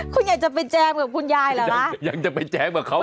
คุณอยากจะไปแจมกับคุณยายเหรออยากจะไปแจมกับเขา